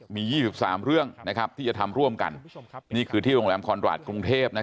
มี๒๓เรื่องที่จะทำร่วมกันนี่คือที่โรงแรมคอนราชกรุงเทพ